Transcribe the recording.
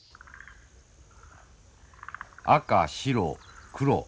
赤白黒。